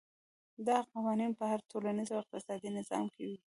دا قوانین په هر ټولنیز او اقتصادي نظام کې وي.